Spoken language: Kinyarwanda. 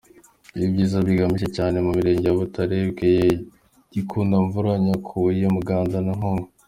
Ibi biza byiganje cyane mu mirenge ya Butare, Bweyeye, Gikundamvura, Nyakabuye, Muganza na Nkungu.